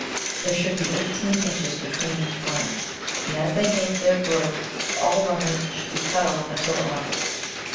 There should be eighteen inches between each plant, and as they make their growth, all runners should be cut off until August.